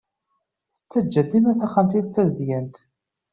Tettaǧǧa dima taxxamt-is d tazeddgant.